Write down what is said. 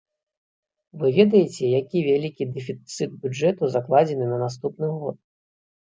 Вы ведаеце, які вялікі дэфіцыт бюджэту закладзены на наступны год?